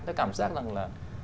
tôi cảm giác rằng là